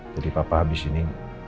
jadi papa habis ini